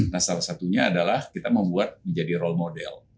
nah salah satunya adalah kita membuat menjadi role model